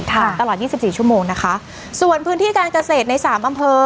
ตลอดยี่สิบสี่ชั่วโมงนะคะส่วนพื้นที่การเกษตรในสามอำเภอ